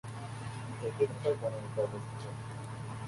এটি ঢাকায় বনানী তে অবস্থিত।